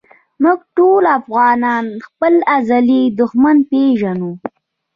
مونږ ټولو افغانان خپل ازلي دښمن پېژنو